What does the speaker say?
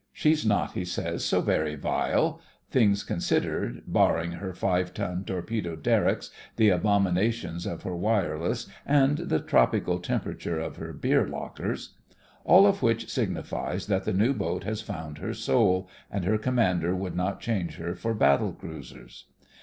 She's not, he says, so very vile — things considered, barring her five ton torpedo derricks, the abomina tions of her wireless, and the tropical temperature of her beer lockers. All of which signifies that the new boat has found her soul, and her com mander would not change her for battle cruisers.